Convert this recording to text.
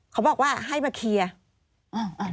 เขาบอกว่าให้มาเคลียร์